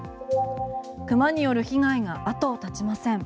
クマによる被害が後を絶ちません。